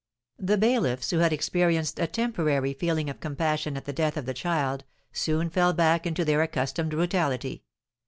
The bailiffs, who had experienced a temporary feeling of compassion at the death of the child, soon fell back into their accustomed brutality.